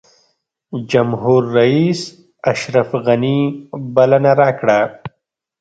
جمهورریس اشرف غني بلنه راکړه.